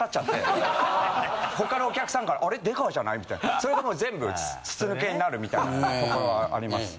他のお客さんからあれ出川じゃない？みたいなそれでもう全部筒抜けになるみたいなところはあります。